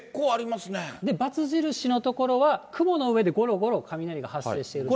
×印の所は、雲の上でごろごろ、雷が発生している所。